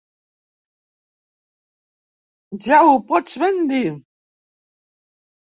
Ja ho pots ben dir.